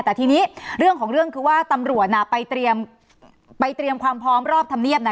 แต่ทีนี้เรื่องของเรื่องคือว่าตำรวจไปเตรียมความพร้อมรอบธรรมเนียบนะ